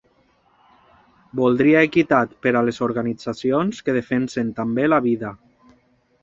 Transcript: Voldria equitat per a les organitzacions que defensen també la vida.